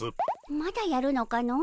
まだやるのかの。